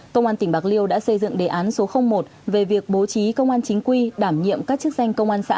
công an tỉnh bạc liêu đã xây dựng đề án số một về việc bố trí công an chính quy đảm nhiệm các chức danh công an xã